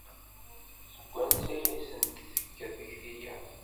Seg wansi ay asen-d-tekka tekti-a?